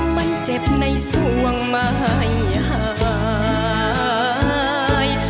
มันเจ็บในส่วงมาให้หาย